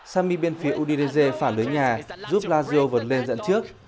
sami bên phía udinese phản lưới nhà giúp lazio vượt lên dẫn trước